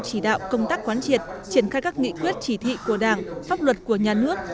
chỉ đạo công tác quán triệt triển khai các nghị quyết chỉ thị của đảng pháp luật của nhà nước